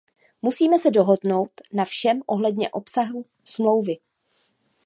Musíme se dohodnout na všem ohledně obsahu smlouvy.